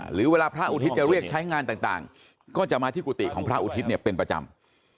หรือเวลาพระอุทิศจะเรียกใช้งานต่างก็จะมาที่กุฏิของพระอุทิศเนี่ยเป็นประจำ